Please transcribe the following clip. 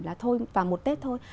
là thôi vào một tết thôi